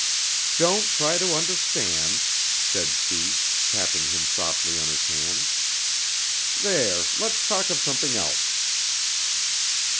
"Don't try to understand," said she, tapping him softly on his hand.... "There, let's talk of something else...."